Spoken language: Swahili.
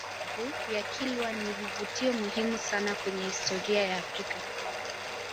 magofu ya kilwa ni vivutio muhimu sana kwenye historia ya africa